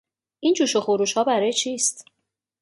این جوش و خروشها برای چیست؟